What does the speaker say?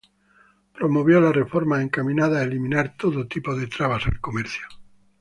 Promovió las reformas encaminadas a eliminar todo tipo de trabas al comercio.